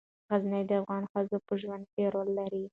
غزني د افغان ښځو په ژوند کې رول لري.